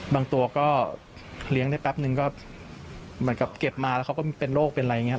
บางตัวก็เลี้ยงได้แป๊บนึงก็เหมือนกับเก็บมาแล้วเขาก็เป็นโรคเป็นอะไรอย่างนี้